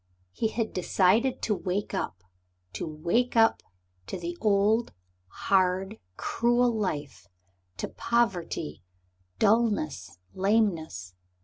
He had decided to wake up to wake up to the old, hard, cruel life to poverty, dulness, lameness.